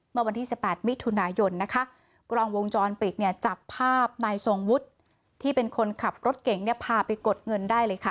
เมื่อวันที่สิบแอดมิตรธุนายนกรองวงจรปิดจับภาพนายซงวุชที่เป็นคนขับรถเก่งพาไปกดเงินได้เลยค่ะ